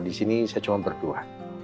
di sini saya cuma berdua